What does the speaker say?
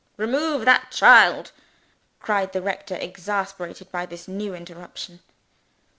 "Remove that child!" cried the rector, exasperated by this new interruption.